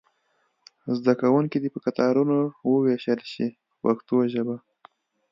زده کوونکي دې په کتارونو وویشل شي په پښتو ژبه.